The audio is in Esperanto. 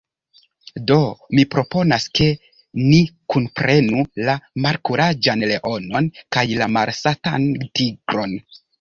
Do mi proponas ke ni kunprenu la Malkuraĝan Leonon kaj la Malsatan Tigron.